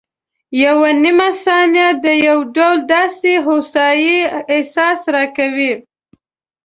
یوه نیمه ثانیه د یو ډول داسې هوسایي احساس راکوي.